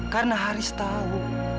karena haris tahu